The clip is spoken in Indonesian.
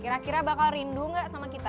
kira kira bakal rindu gak sama kita